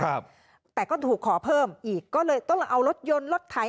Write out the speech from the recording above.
ครับแต่ก็ถูกขอเพิ่มอีกก็เลยต้องเอารถยนต์รถไถ